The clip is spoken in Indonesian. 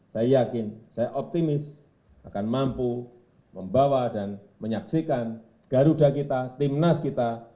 saya yakin saya optimis akan mampu membawa dan menyaksikan garuda kita timnas kita